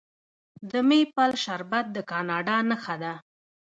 د میپل شربت د کاناډا نښه ده.